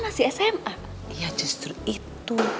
masih sma ya justru itu